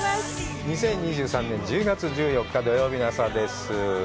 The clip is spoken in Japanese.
２０２３年１０月１４日、土曜日の朝です。